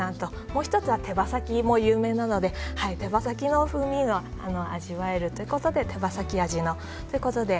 もう１つは手羽先も有名なので手羽先の風味が味わえるということで手羽先味ということで。